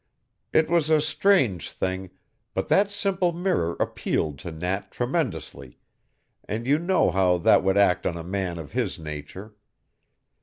"It was a strange thing, but that simple mirror appealed to Nat tremendously, and you know how that would act on a man of his nature.